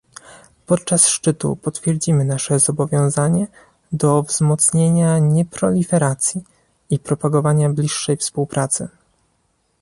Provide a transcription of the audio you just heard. Podczas szczytu potwierdzimy nasze zobowiązanie do wzmocnienia nieproliferacji i propagowania bliższej współpracy